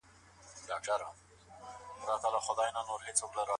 دوی په خپلو کارونو کي بې مطالعې وو.